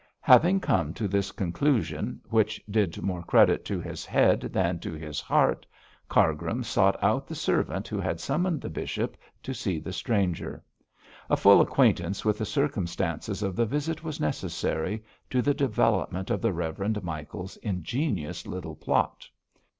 Having come to this conclusion, which did more credit to his head than to his heart, Cargrim sought out the servant who had summoned the bishop to see the stranger. A full acquaintance with the circumstances of the visit was necessary to the development of the Reverend Michael's ingenious little plot.